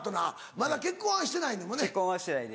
まだ結婚はしてないねんもんね？